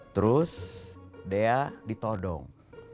terus dia ditodong